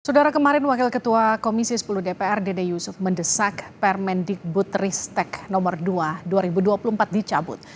saudara kemarin wakil ketua komisi sepuluh dpr dede yusuf mendesak permendikbud ristek nomor dua dua ribu dua puluh empat dicabut